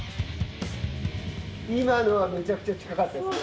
今のはめちゃくちゃ近かったですね。